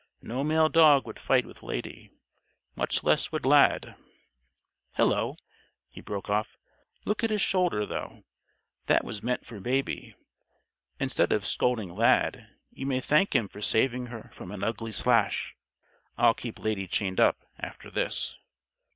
No male dog would fight with Lady. Much less would Lad Hello!" he broke off. "Look at his shoulder, though! That was meant for Baby. Instead of scolding Lad, you may thank him for saving her from an ugly slash. I'll keep Lady chained up, after this."